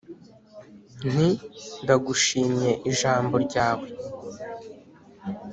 nti:« ndagushimye ijambo ryawe